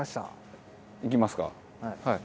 いきますか。